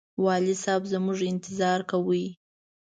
والي صاحب زموږ انتظار کاوه.